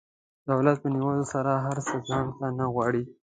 دولت په نیولو سره هر څه ځان ته نه غواړي.